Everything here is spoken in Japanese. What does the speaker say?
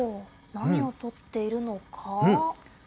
何を取っているのか。